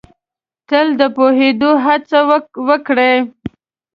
تل د پوهېدو هڅه وکړ ئ